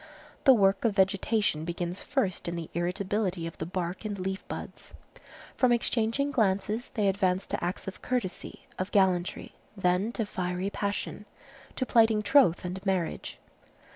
The work of vegetation begins first in the irritability of the bark and leaf buds. From exchanging glances, they advance to acts of courtesy, of gallantry, then to fiery passion, to plighting troth and marriage.